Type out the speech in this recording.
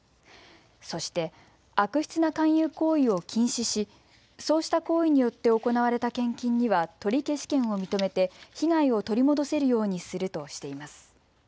そして悪質な勧誘行為を禁止しそうした行為によって行われた献金には取消権を認めて被害を取り戻せるようにするとしています。